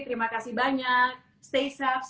terima kasih banyak stay safe